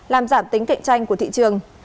làm giảm tính cạnh tranh của thị trường